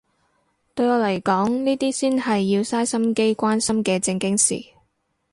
對我嚟講呢啲先係要嘥心機關心嘅正經事